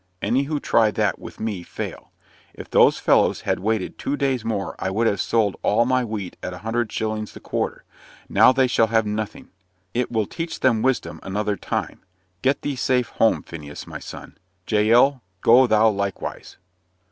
Any who try that with me fail. If those fellows had waited two days more I would have sold all my wheat at a hundred shillings the quarter; now they shall have nothing. It will teach them wisdom another time. Get thee safe home, Phineas, my son; Jael, go thou likewise."